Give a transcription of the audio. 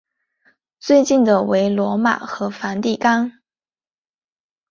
最近的为罗马和梵蒂冈。